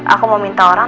aku mau minta orang